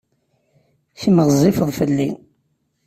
Kemm ɣezzifeḍ fell-i.